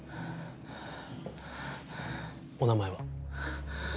お名前は？